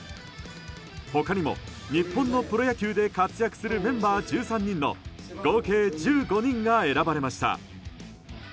他にも、日本のプロ野球で活躍するメンバー１３人の合計１５人が選ばれました。